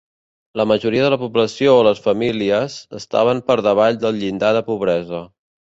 La majoria de la població o les famílies estaven per davall del llindar de pobresa.